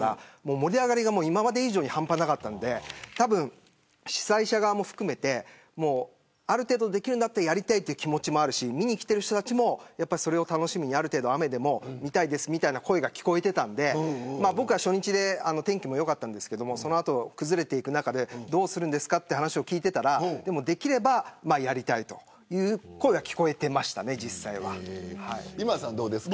盛り上がりが今まで以上に半端なくてたぶん主催者側も含めてある程度できるんだったらやりたいという気持ちもあるし見に来ている人たちもそれを楽しみにある程度雨でも、見たいですという声が聞こえていたんで僕は、初日で天気も良かったんですけどその後崩れていく中でどうするのかという話を聞いていたらできればやりたいという今田さん、どうですか。